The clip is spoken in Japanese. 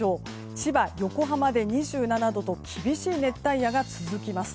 千葉、横浜で２７度と厳しい熱帯夜が続きます。